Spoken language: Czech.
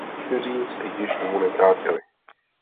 Někteří se již domů nevrátili.